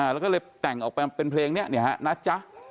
แล้วก็เลยแต่งออกไปเป็นเพลงนี้นะจ๊ะ